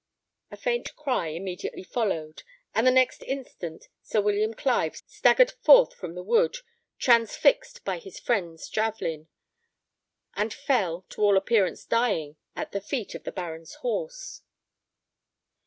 A faint cry immediately followed, and the next instant Sir William Clive staggered forth from the wood, transfixed by his friend's javelin, and fell, to all appearance dying, at the feet of the baron's horse.